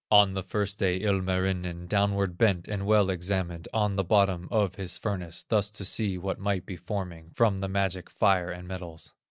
On the first day, Ilmarinen Downward bent and well examined, On the bottom of his furnace, Thus to see what might be forming From the magic fire and metals.